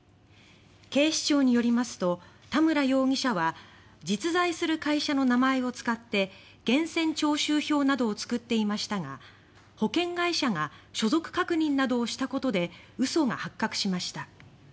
警視庁によりますと田村容疑者は実在する会社の名前を使って源泉徴収票などを作っていましたが保険会社が所属確認などをしたことで嘘が発覚しました。